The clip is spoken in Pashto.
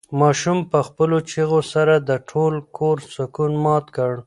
ماشوم په خپلو چیغو سره د ټول کور سکون مات کړ.